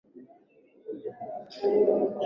ee hali hiyo ni hatari sana kwa mfano umesafiri